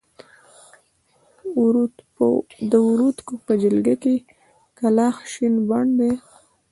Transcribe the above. د وردکو په جلګه کې کلاخ شين بڼ دی.